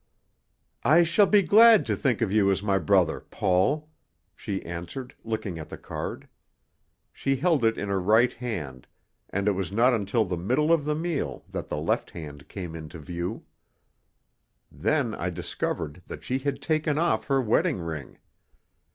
"I shall be glad to think of you as my brother Paul," she answered, looking at the card. She held it in her right hand, and it was not until the middle of the meal that the left hand came into view. Then I discovered that she had taken off her wedding ring.